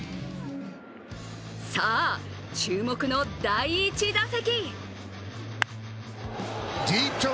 さあ注目の第１打席。